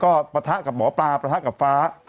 ก็ปะทะกับหมอปลาประทะกับฟ้า